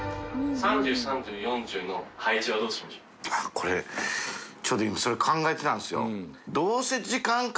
これちょっと今それ考えてたんですよ。